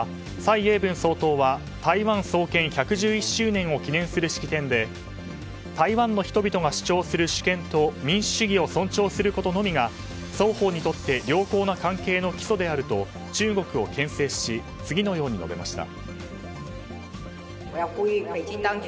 蔡英文総統は台湾創建１１１周年を記念する式典で台湾の人々が主張する主権と民主主義を尊重することが双方にとって良好な関係の基礎であると中国を牽制し次のように述べました。